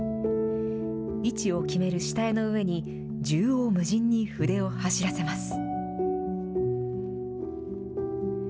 位置を決める下絵の上に、縦横無尽に筆を走らせます。